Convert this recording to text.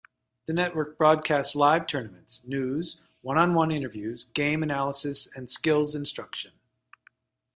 The network broadcasts live tournaments, news, one-on-one interviews, game analysis and skills instruction.